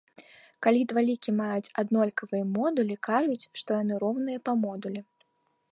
Калі два лікі маюць аднолькавыя модулі, кажуць, што яны роўныя па модулі.